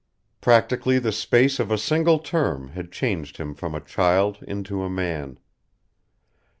Practically the space of a single term had changed him from a child into a man.